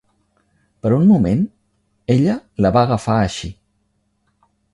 Per un moment, ella la va agafar així.